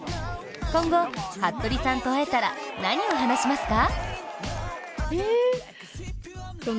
今後、服部さんと会えたら何を話しますか？